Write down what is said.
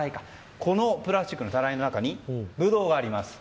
このプラスチックのたらいの中にブドウがあります。